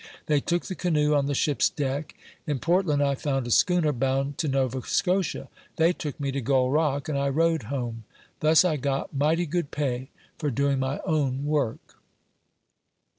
They took the canoe on the ship's deck. In Portland I found a schooner bound to Nova Scotia; they took me to Gull Rock, and I rowed home. Thus I got mighty good pay for doing my own work."